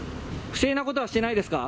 不正なことはしてないですか？